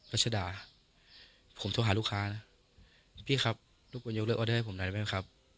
รัชดาผมโทรหาลูกค้านะพี่ครับทุกคนยกเลิกออเดอร์ให้ผมหน่อยได้ไหมครับ